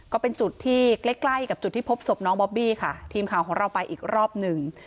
ก็เป็นจุดที่ใกล้ใกล้กับจุดที่พบศพน้องบอบบี้ค่ะทีมข่าวของเราไปอีกรอบหนึ่ง